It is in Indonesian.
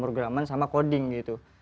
programan sama coding gitu